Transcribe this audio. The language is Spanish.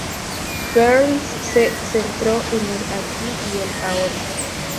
Perls se centró en el aquí y el ahora.